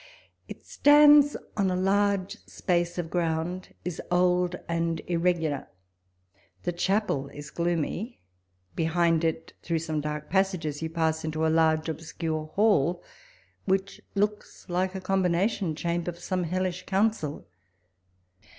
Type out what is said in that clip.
It stands on a large space of ground, is old and irregular. The chapel is gloomy : behind it, through some dark passages, you pass into a harge obscure hall, which looks like a combina tion chamber for some hellish council.